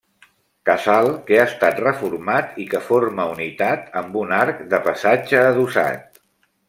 Casal que ha estat reformat i que forma unitat amb un arc de passatge adossat.